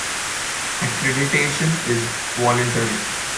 Accreditation is voluntary.